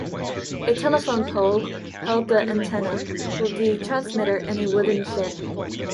A telephone pole held the antenna, with the transmitter in a wooden shed.